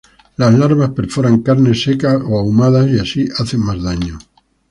Las larvas perforan carnes secas o ahumadas y así hacen más daño.